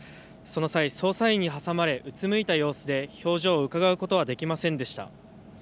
その際、捜査員に挟まれうつむいた様子で表情をうかがうことはできませんでした。